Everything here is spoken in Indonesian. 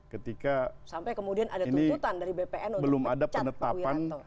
ketika ini belum ada penetapan